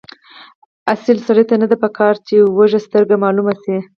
اصیل سړي ته نه دي پکار چې وږسترګی معلوم شي.